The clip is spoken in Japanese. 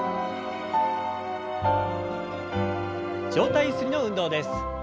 上体ゆすりの運動です。